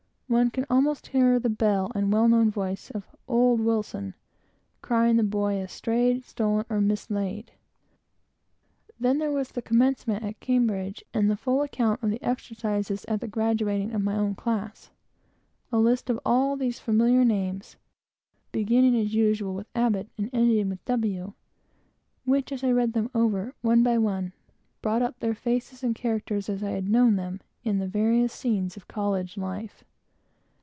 one can almost hear the bell and well known voice of "Old Wilson," crying the boy as "strayed, stolen, or mislaid!" Then there was the Commencement at Cambridge, and the full account of the exercises at the graduating of my own class. A list of all those familiar names, (beginning as usual with Abbot, and ending with W., ) which, as I read them over, one by one, brought up their faces and characters as I had known them in the various scenes of college life.